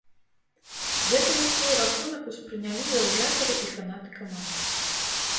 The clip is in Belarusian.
Гэта на свой рахунак успрынялі заўзятары і фанаты каманды.